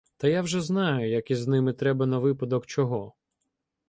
Та я вже знаю, як із ними треба на випадок чого.